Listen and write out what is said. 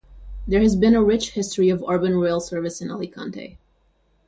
There has been a rich history of urban rail service in Alicante.